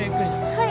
はい。